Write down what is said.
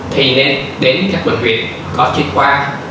thì nên đến các bệnh viện có chuyên khoa